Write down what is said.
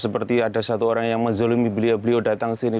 seperti ada satu orang yang menzolimi beliau beliau datang sini